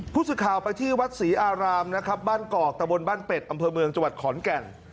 ผู้สื่อข่าวไปที่วัดศรีอารามนะครับบ้านกอกตะบนบ้านเป็ดอำเภอเมืองจังหวัดขอนแก่น